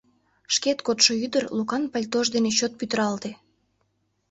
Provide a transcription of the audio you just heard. Шкет кодшо ӱдыр Лукан пальтож дене чот пӱтыралте.